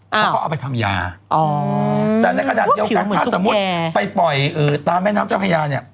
เพราะเขาเอาไปทำยาแต่ในขณะเดียวกันถ้าสมมุติไปปล่อยตามแม่น้ำเจ้าพญาเนี่ย